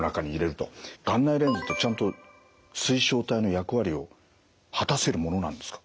眼内レンズってちゃんと水晶体の役割を果たせるものなんですか？